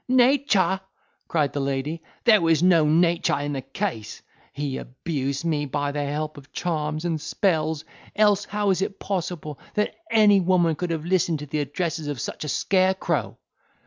"Nature!" cried the lady, "there was no nature in the case; he abused me by the help of charms and spells; else how is it possible that any woman could have listened to the addresses of such a scarecrow?